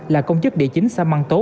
là công chức địa chính xã mạng tố